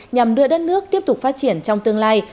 nhằm đưa đất nước tiếp tục phát triển trong tương lai